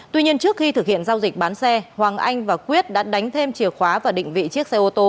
tuy nhiên trước khi thực hiện giao dịch bán xe hoàng anh và quyết đã đánh thêm chìa khóa và định vị chiếc xe ô tô